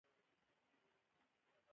زه هلته ناست وم، ما ټولې خبرې واوريدې!